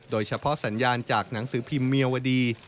โดยเฉพาะสัญญาณจากหนังสือพิมพ์เมียวดี